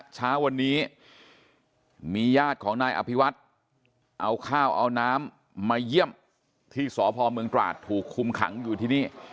เช้าวันนี้มีญาติของนายอภิวัฒน์เอาข้าวเอาน้ำมาเยี่ยมที่สพเมืองตราดถูกคุมขังอยู่ที่นี่